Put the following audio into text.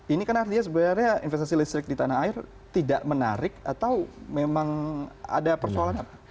ini kan artinya sebenarnya investasi listrik di tanah air tidak menarik atau memang ada persoalan apa